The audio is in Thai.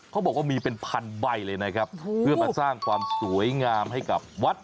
เขาบอกว่ามีเป็นพันใบเลยนะครับเพื่อมาสร้างความสวยงามให้กับวัด